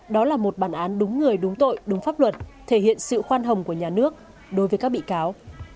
đó là một bản án đúng người đúng tội đúng pháp luật thể hiện sự khoan hồng của nhà nước đối với các bị cáo